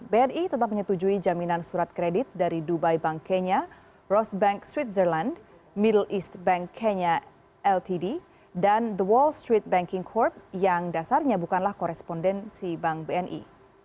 bni tetap menyetujui jaminan surat kredit dari dubai bank kenya ros bank street zerland mille east bank kenya ltd dan the wall street banking corp yang dasarnya bukanlah korespondensi bank bni